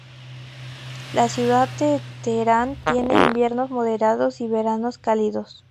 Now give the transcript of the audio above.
La ciudad de Teherán tiene inviernos moderados y veranos cálidos.